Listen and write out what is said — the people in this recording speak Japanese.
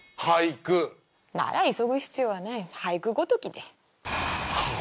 なら急ぐ必要はない俳句ごときではあ！？